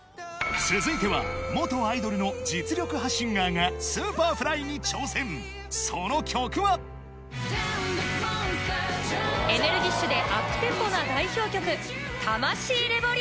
続いては元アイドルの実力派シンガーがＳｕｐｅｒｆｌｙに挑戦その曲はエネルギッシュでアップテンポな代表曲。